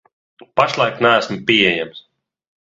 Pašlaik neesmu pieejams.